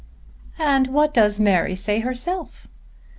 "And what does Mary say herself?"